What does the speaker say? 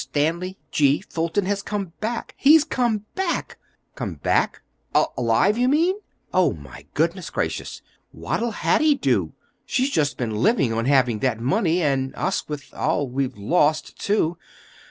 Stanley G. Fulton has come back. He's come back!" "Come back! Alive, you mean? Oh, my goodness gracious! What'll Hattie do? She's just been living on having that money. And us, with all we've lost, too!